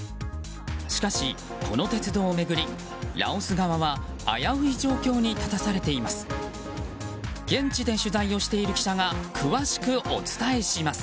しかし、この鉄道を巡りラオス側は危うい状況に立たされています。